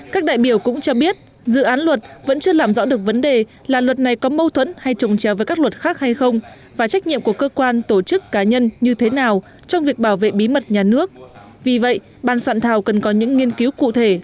các đại biểu cho biết dự án luật vẫn còn nhiều nội dung mang tính chung chung chung chung chưa ràng cụ thể